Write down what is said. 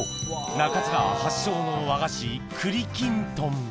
中津川発祥の和菓子栗きんとん